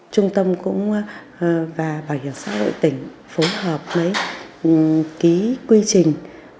trung tâm cũng và bảo hiểm xã hội tỉnh phối hợp với ký quy trình